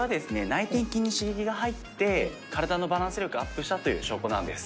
内転筋に刺激が入って体のバランス力がアップしたという証拠なんです。